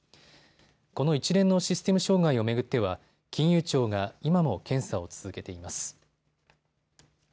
この一連のシステム障害を巡っては金融庁が今も検査を続けています。